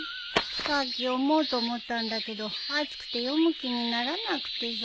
さっき読もうと思ったんだけど暑くて読む気にならなくてさ。